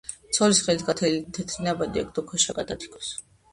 ცოლის ხელით გათელილი თეთრი ნაბადი ეგდო ქვეშაგად დათიკოს